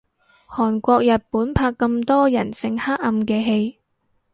韓國日本拍咁多人性黑暗嘅戲